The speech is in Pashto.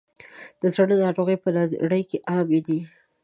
د زړه ناروغۍ په نړۍ کې عامې دي.